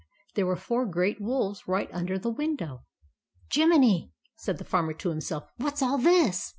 There were four great wolves right under the window. " Jiminy !" said the Farmer to himself. What's all this?"